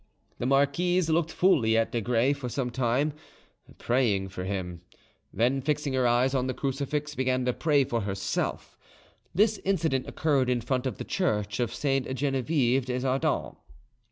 The marquise looked fully at Desgrais for some time, praying for him; then, fixing her eyes on the crucifix, began to pray for herself: this incident occurred in front of the church of Sainte Genevieve des Ardents.